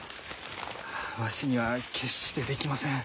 あわしには決してできません。